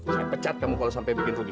saya pecat kamu kalau sampai bikin rugi